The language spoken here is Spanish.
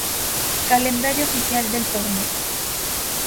Calendario oficial del torneo.